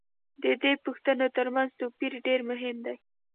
د دې پوښتنو تر منځ توپیر دېر مهم دی.